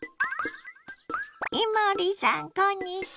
伊守さんこんにちは。